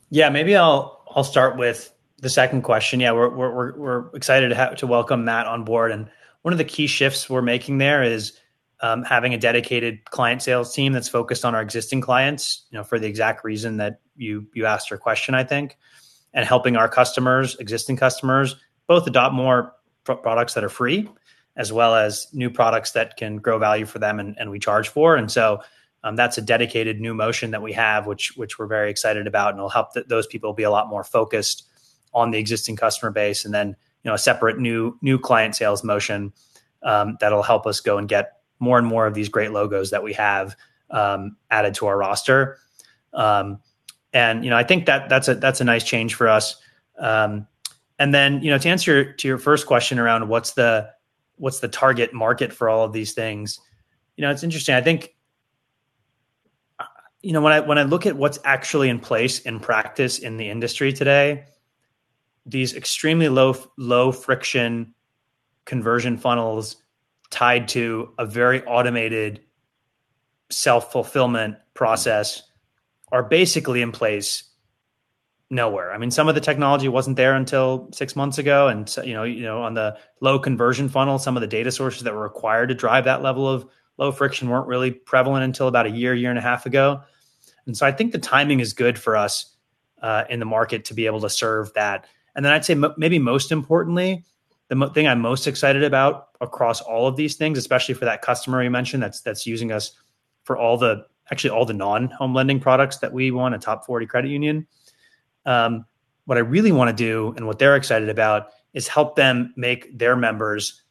Yeah, maybe I'll start with the second question. Yeah, we're excited to welcome Matt on board, and one of the key shifts we're making there is having a dedicated client sales team that's focused on our existing clients, you know, for the exact reason that you asked your question, I think. Helping our customers, existing customers, both adopt more products that are free, as well as new products that can grow value for them and we charge for. That's a dedicated new motion that we have, which we're very excited about, and it'll help those people be a lot more focused on the existing customer base, and then, you know, a separate new client sales motion, that'll help us go and get more and more of these great logos that we have added to our roster. You know, I think that that's a nice change for us. You know, to answer your first question around what's the target market for all of these things, you know, it's interesting. I think, you know, when I look at what's actually in place in practice in the industry today, these extremely low friction conversion funnels tied to a very automated self-fulfillment process are basically in place nowhere. I mean, some of the technology wasn't there until six months ago, you know, on the loan conversion funnel, some of the data sources that were required to drive that level of low friction weren't really prevalent until about a year and a half ago. I think the timing is good for us in the market to be able to serve that. I'd say maybe most importantly, the thing I'm most excited about across all of these things, especially for that customer you mentioned that's using us for all the, actually, all the non-home lending products, a top 40 credit union. What I really wanna do and what they're excited about is help them make their members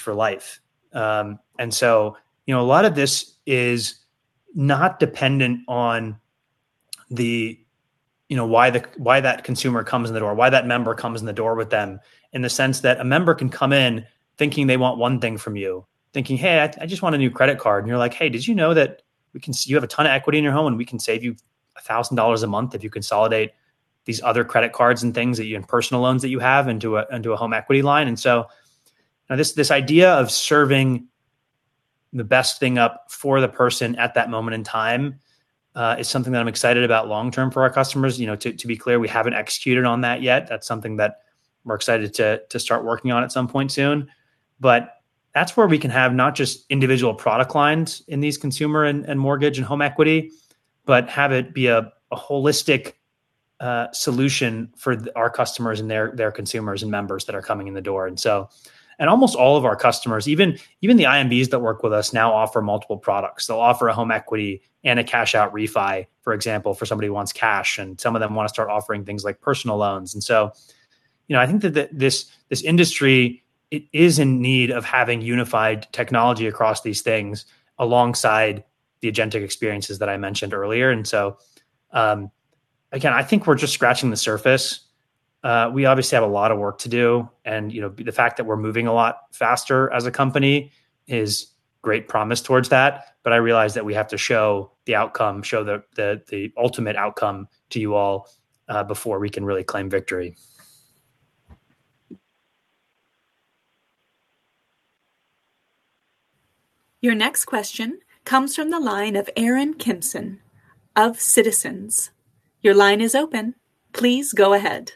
for life. You know, a lot of this is not dependent on the, you know, why the, why that consumer comes in the door, why that member comes in the door with them, in the sense that a member can come in thinking they want one thing from you. Thinking, "Hey, I just want a new credit card." And you're like, "Hey, did you know that we can say you have a ton of equity in your home, and we can save you $1,000 a month if you consolidate these other credit cards and things that you, and personal loans that you have into a, into a home equity line?" This idea of serving the best thing up for the person at that moment in time is something that I'm excited about long-term for our customers. You know, to be clear, we haven't executed on that yet. That's something that we're excited to start working on at some point soon. That's where we can have not just individual product lines in these consumer and mortgage and home equity, but have it be a holistic solution for our customers and their consumers and members that are coming in the door. Almost all of our customers, even the IMBs that work with us now offer multiple products. They'll offer a home equity and a cash out refi, for example, for somebody who wants cash, and some of them wanna start offering things like personal loans. You know, I think that this industry, it is in need of having unified technology across these things alongside the agentic experiences that I mentioned earlier. Again, I think we're just scratching the surface. We obviously have a lot of work to do, and, you know, the fact that we're moving a lot faster as a company is great promise towards that. I realize that we have to show the outcome, show the ultimate outcome to you all, before we can really claim victory. Your next question comes from the line of Aaron Kimson of Citizens. Your line is open. Please go ahead.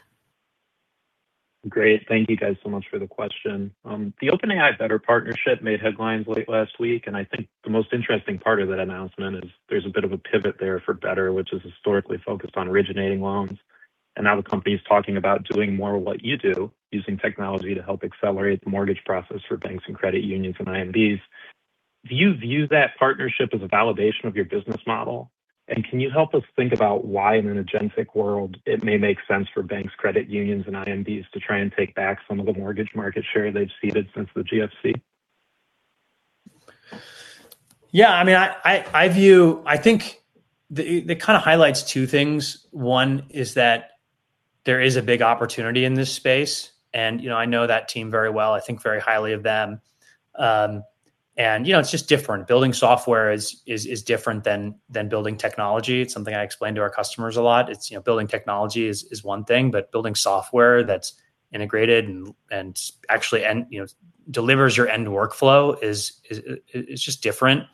Great. Thank you guys so much for the question. The OpenAI Better partnership made headlines late last week, and I think the most interesting part of that announcement is there's a bit of a pivot there for Better, which is historically focused on originating loans. Now the company is talking about doing more of what you do, using technology to help accelerate the mortgage process for banks and credit unions and IMBs. Do you view that partnership as a validation of your business model? And can you help us think about why in an agentic world it may make sense for banks, credit unions, and IMBs to try and take back some of the mortgage market share they've ceded since the GFC? Yeah, I mean, I view. I think it kind of highlights two things. One is that there is a big opportunity in this space, and, you know, I know that team very well. I think very highly of them. And, you know, it's just different. Building software is different than building technology. It's something I explain to our customers a lot. It's, you know, building technology is one thing, but building software that's integrated and actually, you know, delivers your end workflow is just different.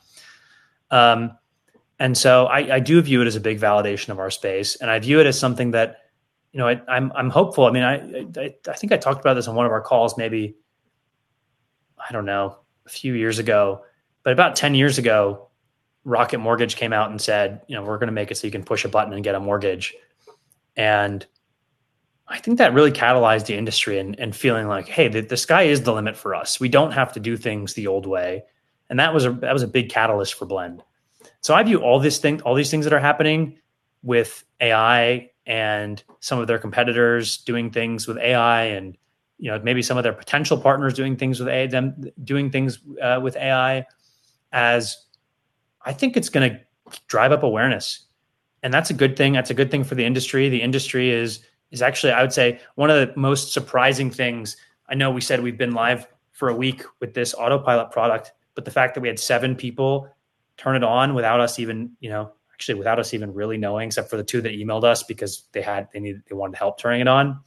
So I do view it as a big validation of our space, and I view it as something that, you know, I'm hopeful. I mean, I think I talked about this on one of our calls maybe, I don't know, a few years ago. About 10 years ago, Rocket Mortgage came out and said, you know, "We're gonna make it so you can push a button and get a mortgage." I think that really catalyzed the industry and feeling like, "Hey, the sky is the limit for us. We don't have to do things the old way." That was a big catalyst for Blend. I view all this thing, all these things that are happening with AI and some of their competitors doing things with AI and, you know, maybe some of their potential partners doing things with AI, them doing things with AI, as I think it's gonna drive up awareness, and that's a good thing. That's a good thing for the industry. The industry is actually, I would say, one of the most surprising things. I know we said we've been live for a week with this Autopilot product, but the fact that we had 7 people turn it on without us even, you know, actually without us even really knowing, except for the two that emailed us because they wanted help turning it on.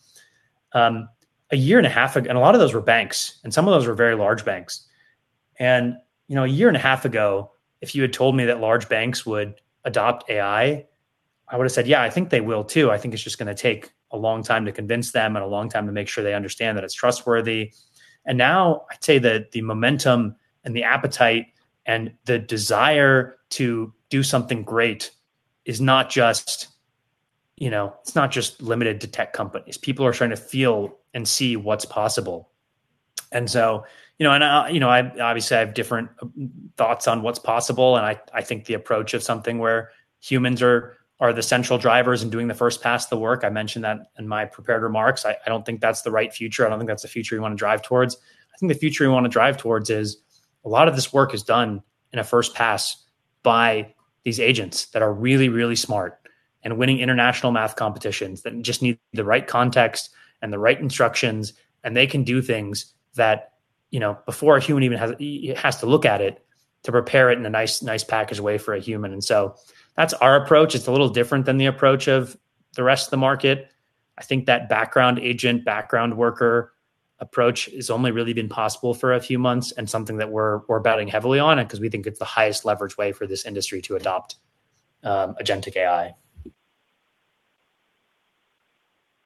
A year and a half ago, a lot of those were banks, and some of those were very large banks. You know, a year and a half ago, if you had told me that large banks would adopt AI, I would've said, "Yeah, I think they will too. I think it's just gonna take a long time to convince them and a long time to make sure they understand that it's trustworthy." Now I'd say that the momentum and the appetite and the desire to do something great is not just, you know, it's not just limited to tech companies. People are starting to feel and see what's possible. You know, I obviously have different thoughts on what's possible, and I think the approach of something where humans are the central drivers in doing the first pass of the work, I mentioned that in my prepared remarks. I don't think that's the right future. I don't think that's the future we wanna drive towards. I think the future we wanna drive towards is a lot of this work is done in a first pass by these agents that are really smart and winning international math competitions that just need the right context and the right instructions, and they can do things that, you know, before a human even has to look at it to prepare it in a nice packaged way for a human. That's our approach. It's a little different than the approach of the rest of the market. I think that background agent, background worker approach has only really been possible for a few months, and something that we're betting heavily on it because we think it's the highest leverage way for this industry to adopt agentic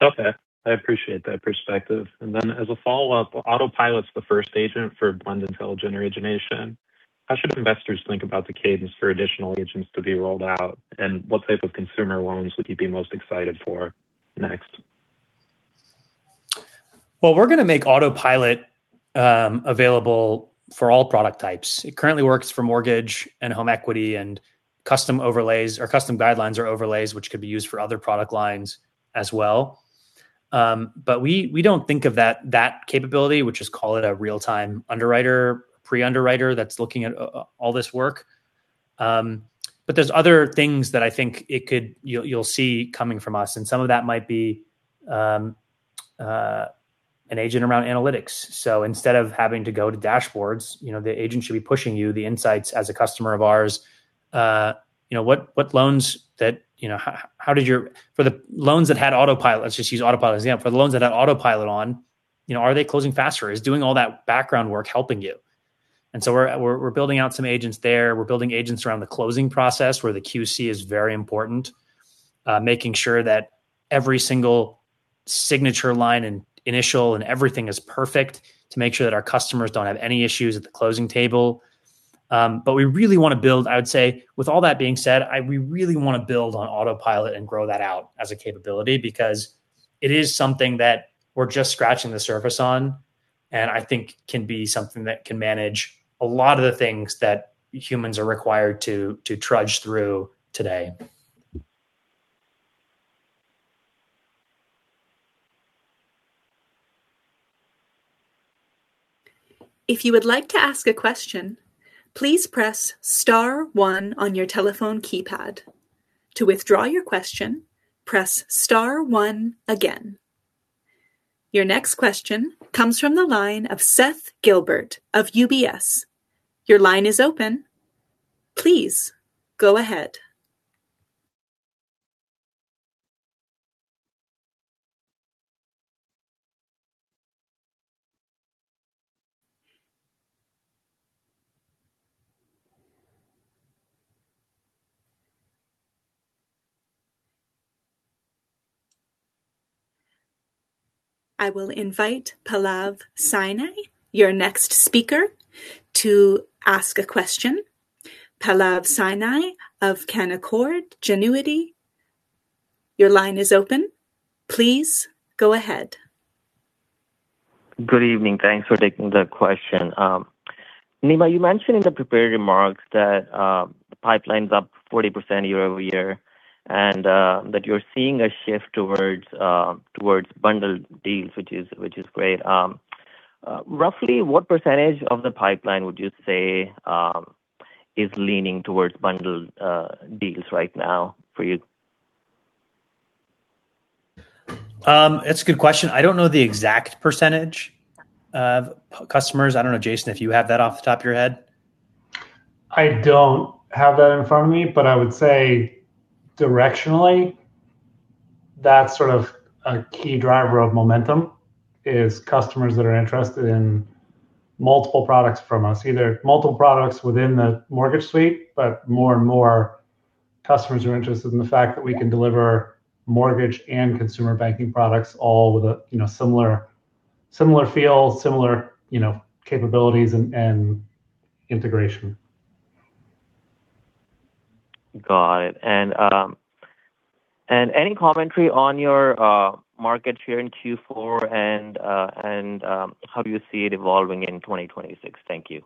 AI. Okay. I appreciate that perspective. As a follow-up, Autopilot's the first agent for Blend Intelligent Origination. How should investors think about the cadence for additional agents to be rolled out, and what type of consumer loans would you be most excited for next? Well, we're gonna make Autopilot available for all product types. It currently works for mortgage and home equity and custom overlays, or custom guidelines or overlays which could be used for other product lines as well. But we don't think of that capability, which is called a real-time underwriter, pre-underwriter that's looking at all this work. But there's other things that I think it could. You'll see coming from us, and some of that might be an agent around analytics. Instead of having to go to dashboards, you know, the agent should be pushing you the insights as a customer of ours, you know, what loans that, you know, how did your. For the loans that had Autopilot, let's just use Autopilot as an example. For the loans that had Autopilot on, you know, are they closing faster? Is doing all that background work helping you? We're building out some agents there. We're building agents around the closing process, where the QC is very important. Making sure that every single signature line and initial and everything is perfect to make sure that our customers don't have any issues at the closing table. We really wanna build on Autopilot and grow that out as a capability because it is something that we're just scratching the surface on and I think can be something that can manage a lot of the things that humans are required to trudge through today. If you would like to ask a question, please press star one on your telephone keypad. To withdraw your question, press star one again. Your next question comes from the line of Seth Gilbert of UBS. Your line is open. Please go ahead. I will invite Pallav Saini, your next speaker, to ask a question. Pallav Saini of Canaccord Genuity, your line is open. Please go ahead. Good evening. Thanks for taking the question. Nima, you mentioned in the prepared remarks that the pipeline's up 40% year-over-year and that you're seeing a shift towards bundled deals, which is great. Roughly what percentage of the pipeline would you say is leaning towards bundled deals right now for you? That's a good question. I don't know the exact percentage of customers. I don't know, Jason, if you have that off the top of your head. I don't have that in front of me, but I would say directionally, that's sort of a key driver of momentum is customers that are interested in multiple products from us. Either multiple products within the Mortgage Suite, but more and more customers are interested in the fact that we can deliver mortgage and consumer banking products all with a, you know, similar feel, similar, you know, capabilities and integration. Got it. Any commentary on your market share in Q4 and how do you see it evolving in 2026? Thank you.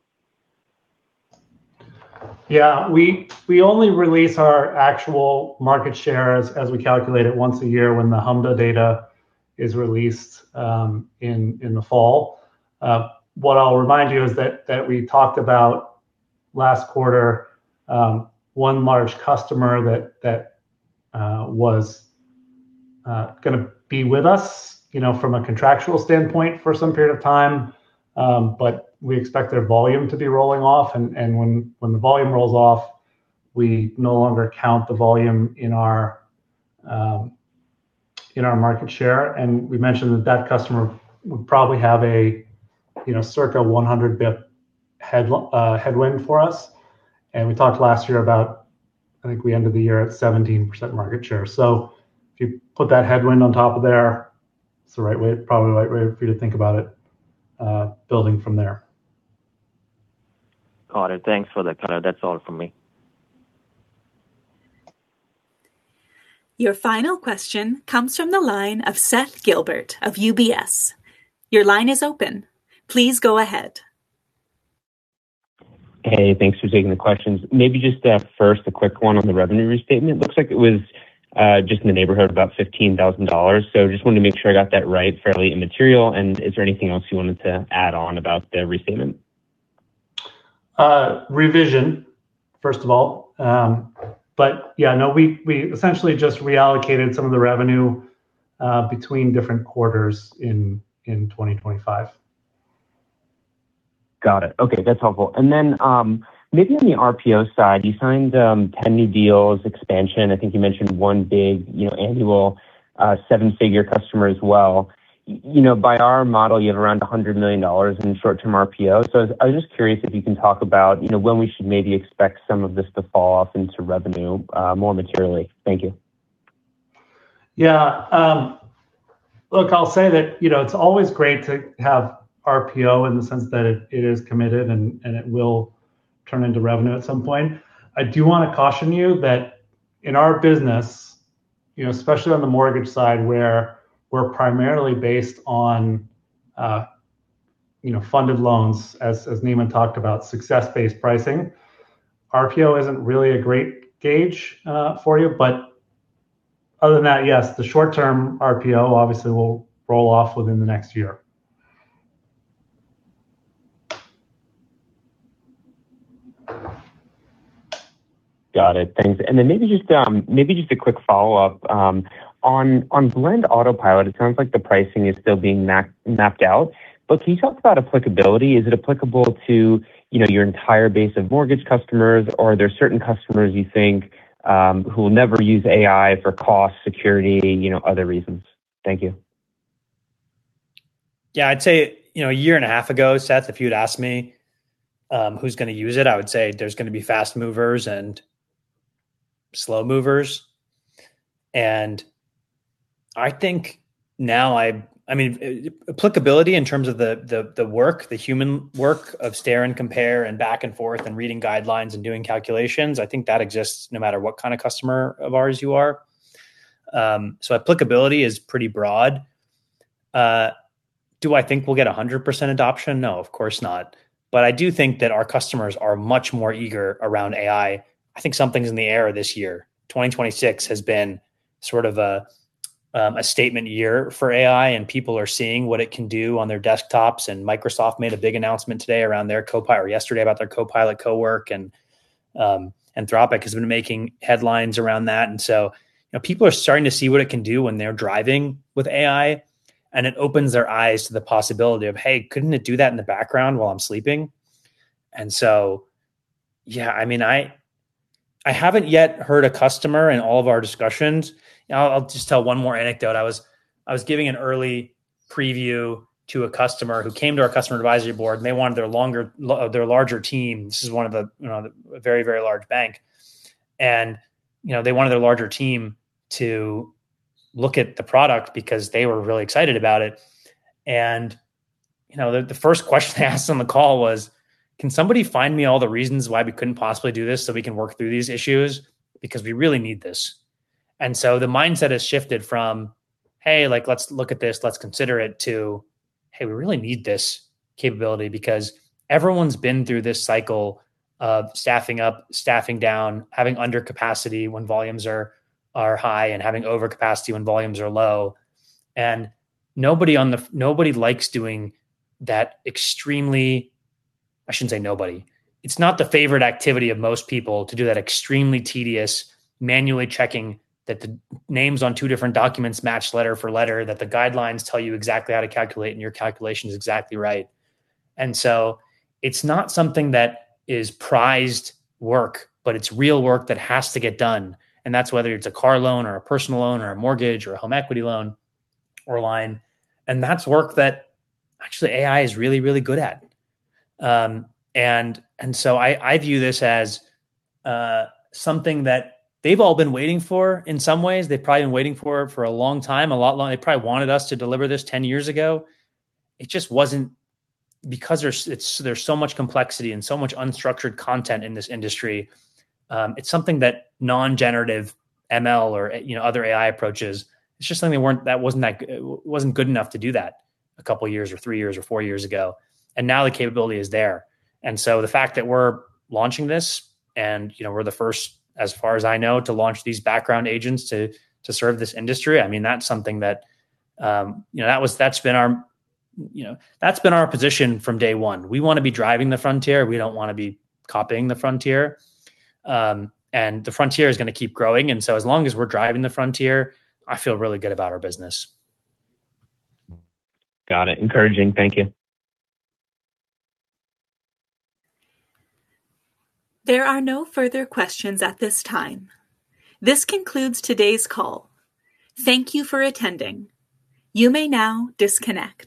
Yeah. We only release our actual market share as we calculate it once a year when the HMDA data is released, in the fall. What I'll remind you is that we talked about last quarter, one large customer that was gonna be with us, you know, from a contractual standpoint for some period of time, but we expect their volume to be rolling off. When the volume rolls off, we no longer count the volume in our market share, and we mentioned that that customer would probably have a, you know, circa 100 bps headwind for us. We talked last year about, I think we ended the year at 17% market share. If you put that headwind on top of there, it's the right way, probably the right way for you to think about it, building from there. Got it. Thanks for the color. That's all from me. Your final question comes from the line of Seth Gilbert of UBS. Your line is open. Please go ahead. Hey, thanks for taking the questions. Maybe just first, a quick one on the revenue restatement. Looks like it was just in the neighborhood of about $15,000. So just wanted to make sure I got that right, fairly immaterial. Is there anything else you wanted to add on about the restatement? Revision, first of all. Yeah, no, we essentially just reallocated some of the revenue between different quarters in 2025. Got it. Okay, that's helpful. Maybe on the RPO side. You signed 10 new deals, expansion. I think you mentioned one big, you know, annual seven-figure customer as well. You know, by our model, you have around $100 million in short-term RPO. I was just curious if you can talk about, you know, when we should maybe expect some of this to fall off into revenue more materially. Thank you. Yeah. Look, I'll say that, you know, it's always great to have RPO in the sense that it is committed and it will turn into revenue at some point. I do wanna caution you that in our business, you know, especially on the mortgage side where we're primarily based on, you know, funded loans, as Nima talked about, success-based pricing, RPO isn't really a great gauge for you. Other than that, yes, the short-term RPO obviously will roll off within the next year. Got it. Thanks. Maybe just a quick follow-up on Blend Autopilot. It sounds like the pricing is still being mapped out, but can you talk about applicability? Is it applicable to your entire base of mortgage customers, or are there certain customers you think who will never use AI for cost, security, you know, other reasons? Thank you. Yeah. I'd say, you know, a year and a half ago, Seth, if you'd asked me, who's gonna use it, I would say there's gonna be fast movers and slow movers. I think now, I mean, applicability in terms of the work, the human work of stare and compare and back and forth and reading guidelines and doing calculations, I think that exists no matter what kind of customer of ours you are. Applicability is pretty broad. Do I think we'll get 100% adoption? No, of course not. I do think that our customers are much more eager around AI. I think something's in the air this year. 2026 has been sort of a statement year for AI, and people are seeing what it can do on their desktops. Microsoft made a big announcement yesterday about their Copilot Cowork, and Anthropic has been making headlines around that. You know, people are starting to see what it can do when they're driving with AI, and it opens their eyes to the possibility of, "Hey, couldn't it do that in the background while I'm sleeping?" Yeah, I mean, I haven't yet heard a customer in all of our discussions. I'll just tell one more anecdote. I was giving an early preview to a customer who came to our customer advisory board, and they wanted their larger team. This is one of the, you know, a very large bank. You know, they wanted their larger team to look at the product because they were really excited about it. You know, the first question they asked on the call was, "Can somebody find me all the reasons why we couldn't possibly do this so we can work through these issues? Because we really need this." The mindset has shifted from, "Hey, like, let's look at this, let's consider it," to, "Hey, we really need this capability." Because everyone's been through this cycle of staffing up, staffing down, having under capacity when volumes are high, and having overcapacity when volumes are low. Nobody likes doing that extremely. I shouldn't say nobody. It's not the favorite activity of most people to do that extremely tedious manually checking that the names on two different documents match letter for letter, that the guidelines tell you exactly how to calculate, and your calculation is exactly right. It's not something that is prized work, but it's real work that has to get done, and that's whether it's a car loan or a personal loan or a mortgage or a home equity loan or line. That's work that actually AI is really, really good at. I view this as something that they've all been waiting for in some ways. They've probably been waiting for a long time, a lot longer. They probably wanted us to deliver this 10 years ago. It just wasn't. Because there's so much complexity and so much unstructured content in this industry, it's something that non-generative ML or, you know, other AI approaches, it's just something they weren't that wasn't good enough to do that a couple years or three years or four years ago. Now the capability is there. The fact that we're launching this and, you know, we're the first, as far as I know, to launch these background agents to serve this industry, I mean, that's something that, you know, that's been our, you know, that's been our position from day one. We wanna be driving the frontier. We don't wanna be copying the frontier. The frontier is gonna keep growing, and so as long as we're driving the frontier, I feel really good about our business. Got it. Encouraging. Thank you. There are no further questions at this time. This concludes today's call. Thank you for attending. You may now disconnect.